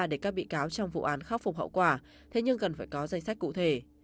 để các bị cáo trong vụ án khắc phục hậu quả thế nhưng cần phải có danh sách cụ thể